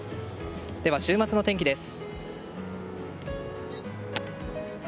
では、週末の天気です。